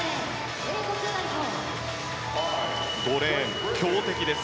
５レーン、強敵です。